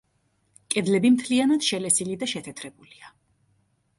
კედლები მთლიანად შელესილი და შეთეთრებულია.